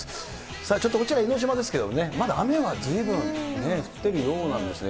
さあちょっとこちら江の島ですけどね、まだ雨はずいぶん、降ってるようなんですね。